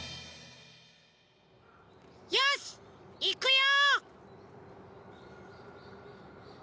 よしいくよ！